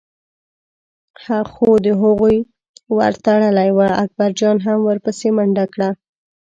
خو د هغوی ور تړلی و، اکبرجان هم ور پسې منډه کړه.